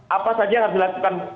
apa saja yang harus dilakukan